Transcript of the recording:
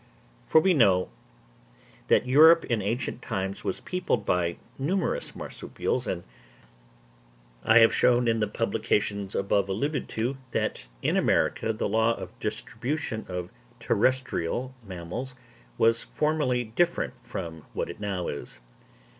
For we know that Europe in ancient times was peopled by numerous marsupials; and I have shown in the publications above alluded to, that in America the law of distribution of terrestrial mammals was formerly different from what it now is.